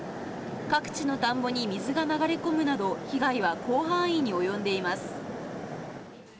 各地の田んぼに水が流れ込むなど、被害は広範囲に及んでいます。